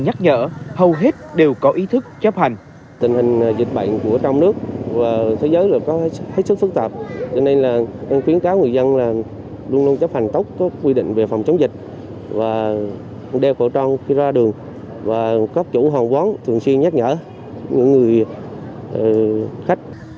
những lực lượng nhắc nhở hầu hết đều có ý thức chấp hành